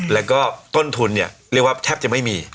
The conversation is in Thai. แล้วก็ต้นทุนเนี่ยเรียกว่าแทบจะไม่มี